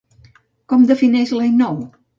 Com defineix l'any nou?